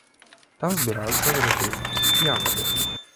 Там збіраюць грыбы, ягады.